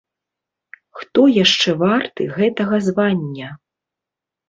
Хто яшчэ варты гэтага звання?